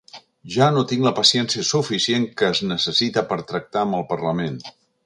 Ja no tinc la paciència suficient que es necessita per tractar amb el Parlament.